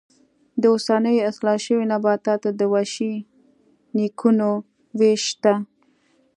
د اوسنیو اصلاح شویو نباتاتو د وحشي نیکونو وېش شته.